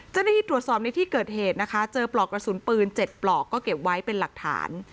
เจ้าหน้าที่ตรวจสอบในที่เกิดเหตุนะคะเจอปลอกกระสุนปืน๗ปลอกก็เก็บไว้เป็นหลักฐาน